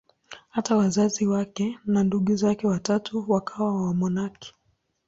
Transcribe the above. Hata wazazi wake na ndugu zake watatu wakawa wamonaki.